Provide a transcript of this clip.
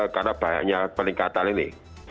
karena banyaknya peningkatan ini